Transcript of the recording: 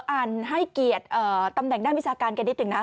อ่านให้เกียรติตำแหน่งด้านวิชาการกันนิดหนึ่งนะ